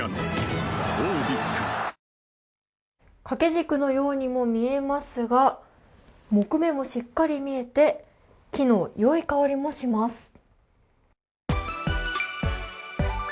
掛け軸のようにも見えますが、木目もしっかり見えて、木のよい香りもします。